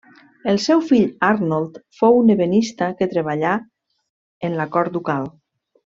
El seu fill Arnold fou un ebenista que treballà en la cort ducal.